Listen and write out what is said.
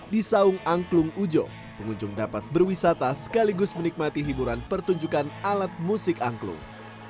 di saung angklung ujo pengunjung dapat berwisata sekaligus menikmati hiburan pertunjukan alat musik angklung